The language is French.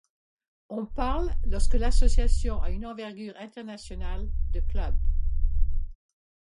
On parle, lorsque l’association a une envergure internationale, de club.